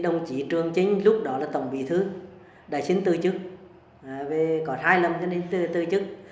đồng chí lê văn lương chính lúc đó là tổng bị thứ đã xin tư chức có hai năm đã xin tư chức